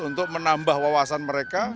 untuk menambah wawasan mereka